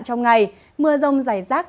trong ngày mưa rông rải rác